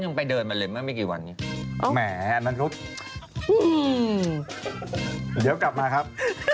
มาไม่กี่วันนี้แหมนั่นลูกเดี๋ยวกลับมาครับ